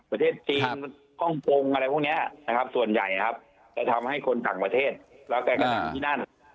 ประเทศจีนฮ่องกงอะไรพวกนี้นะครับส่วนใหญ่ครับจะทำให้คนต่างประเทศแล้วแกก็นั่งที่นั่น